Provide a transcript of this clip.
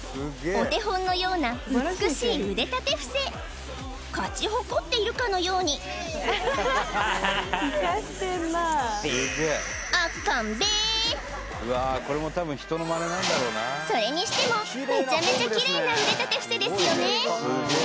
お手本のような美しい腕立て伏せ勝ち誇っているかのようにそれにしてもめちゃめちゃキレイな腕立て伏せですよね